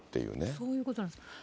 そういうことなんです。